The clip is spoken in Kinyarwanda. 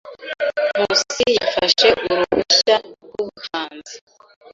Nkusi yafashe uruhushya rwubuhanzi.